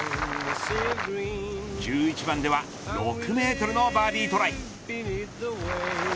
１１番では６メートルのバーディートライ。